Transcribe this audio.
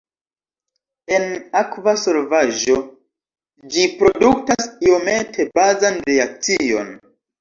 En akva solvaĵo ĝi produktas iomete bazan reakcion.